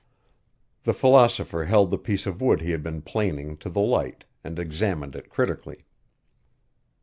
The philosopher held the piece of wood he had been planing to the light and examined it critically.